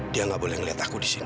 dia nggak boleh ngeliat aku disini